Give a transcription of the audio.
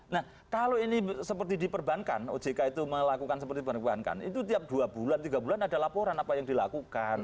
nah kalau ini seperti di perbankan ojk itu melakukan seperti perbankan itu tiap dua bulan tiga bulan ada laporan apa yang dilakukan